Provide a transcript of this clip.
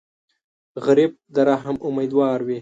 غریب د رحم امیدوار وي